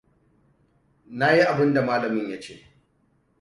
Na yi abinda malamin ya ce.